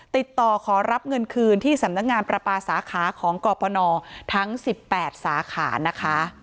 ติดต่อขอรับเงินคืนที่สำนักงานประปาสาขาของกรปนทั้ง๑๘สาขานะคะ